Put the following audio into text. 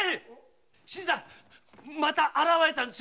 新さんまた現れたんですよ